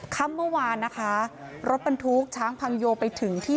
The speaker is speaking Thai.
ค่ำเมื่อวานนะคะรถบรรทุกช้างพังโยไปถึงที่